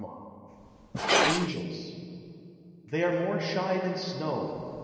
_ Angels They are more shy than Snow.